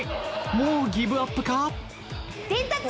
もうギブアップか⁉